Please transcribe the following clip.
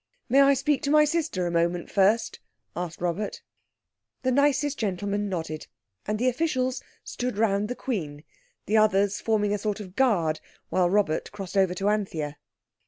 "May I speak to my sister a moment first?" asked Robert. The nicest gentleman nodded, and the officials stood round the Queen, the others forming a sort of guard while Robert crossed over to Anthea.